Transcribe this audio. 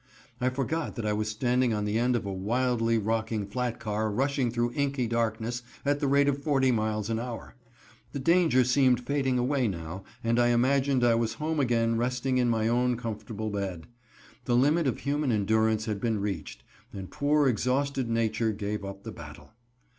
I forgot that I was standing on the end of a wildly rocking flat car rushing through inky darkness at the rate of forty miles an hour. The danger seemed fading away now, and I imagined I was home again resting in my own comfortable bed. The limit of human endurance had been reached, and poor, exhausted nature gave up the battle.